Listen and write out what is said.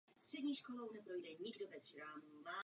Výsledkem byl seriál o doktorské rodině.